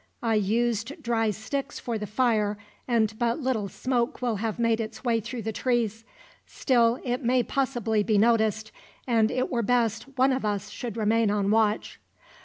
I used dry sticks for the fire, and but little smoke will have made its way through the trees. Still it may possibly be noticed, and it were best one of us should remain on watch."